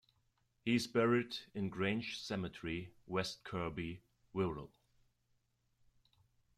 He is buried in Grange Cemetery, West Kirby, Wirral.